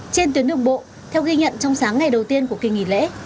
trên tuyến đường bộ theo ghi nhận trong sáng ngày đầu tiên của kỳ nghỉ lễ